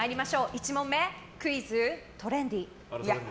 １問目、クイズ・トレンディー。